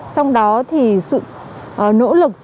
trong đó thì sự nỗ lực